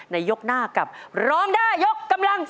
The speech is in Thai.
ยกหน้ากับร้องได้ยกกำลัง